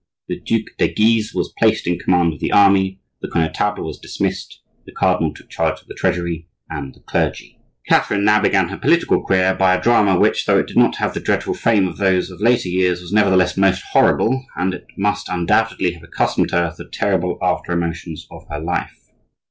The Duc de Guise was placed in command of the army; the Connetable was dismissed; the cardinal took charge of the treasury and the clergy. Catherine now began her political career by a drama which, though it did not have the dreadful fame of those of later years, was, nevertheless, most horrible; and it must, undoubtedly, have accustomed her to the terrible after emotions of her life.